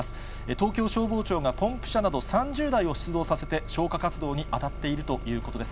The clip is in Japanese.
東京消防庁がポンプ車など３０台を出動させて、消火活動に当たっているということです。